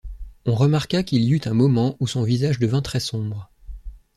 On remarqua qu’il y eut un moment où son visage devint très sombre.